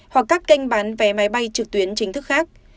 hoặc các kênh bán vé máy bay trực tuyến chính thức khác